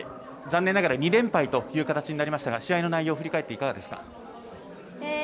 残念ながら２連敗という形になりましたが試合の内容、振り返っていかがですか。